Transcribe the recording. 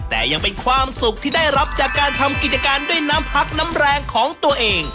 แต่ยังเป็นความสุขที่ได้รับจากการทำกิจการด้วยน้ำพักน้ำแรงของตัวเอง